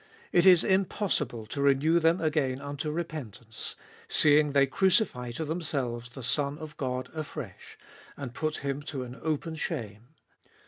It is impossible to renew them again unto repentance; seeing they crucify to themselves the Son of God afresh, and put him to an open shame.